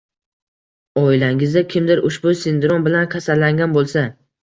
Oilangizda kimdir ushbu sindrom bilan kasallangan bo‘lsa